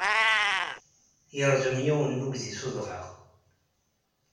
Yeṛjem yiwen n uydi s udɣaɣ.